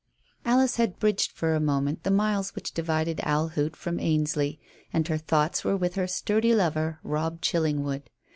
Alice had bridged for a moment the miles which divided Owl Hoot from Ainsley, and her thoughts were with her sturdy lover, Robb Chillingwood.